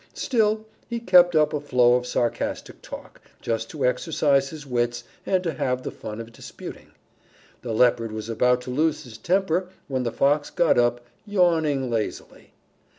Still he kept up a flow of sarcastic talk, just to exercise his wits and to have the fun of disputing. The Leopard was about to lose his temper when the Fox got up, yawning lazily.